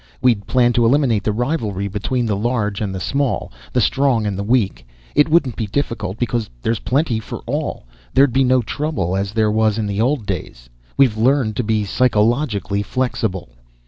We'd plan to eliminate the rivalry between the large and the small, the strong and the weak. It wouldn't be difficult because there's plenty for all. There'd be no trouble as there was in the old days. We've learned to be psychologically flexible."